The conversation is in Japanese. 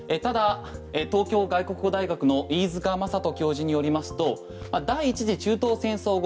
東京外国語大学の飯塚正人教授によりますと第１次中東戦争後